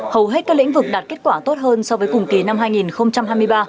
hầu hết các lĩnh vực đạt kết quả tốt hơn so với cùng kỳ năm hai nghìn hai mươi ba